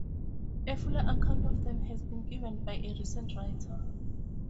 A fuller account of them has been given by a recent writer.